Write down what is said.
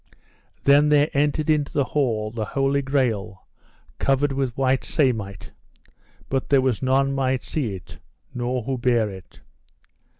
Then there entered into the hall the Holy Grail covered with white samite, but there was none might see it, nor who bare it.